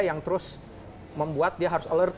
yang terus membuat dia harus alert